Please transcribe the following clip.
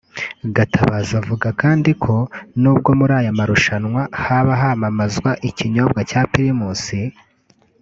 Gatabazi avuga kandi ko n’ubwo muri aya marushanwa haba hamamazwa ikinyobwa cya Primus